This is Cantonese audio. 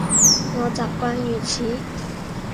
我習慣如此